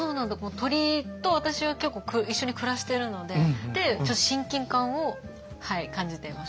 鳥と私は一緒に暮らしてるのでちょっと親近感を感じています。